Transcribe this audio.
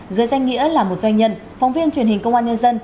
dưới danh nghĩa là một doanh nhân phóng viên truyền hình công an nhân dân